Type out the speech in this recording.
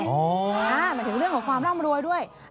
หมายถึงเรื่องของความร่ำรวยด้วย